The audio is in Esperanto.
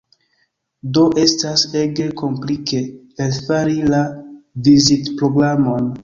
Do estas ege komplike elfari la vizitprogramon.